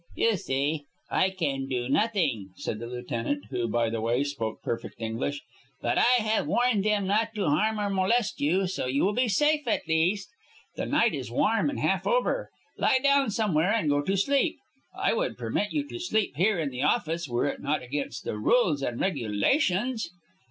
"You see, I can do nothing," said the lieutenant, who, by the way, spoke perfect English. "But I have warned them not to harm or molest you, so you will be safe, at least. The night is warm and half over. Lie down somewhere and go to sleep. I would permit you to sleep here in the office, were it not against the rules and regulations."